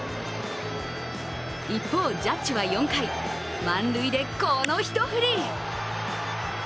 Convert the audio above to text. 一方、ジャッジは４回、満塁でこの一振り。